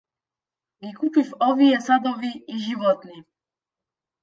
Ги купив овие садови и животни.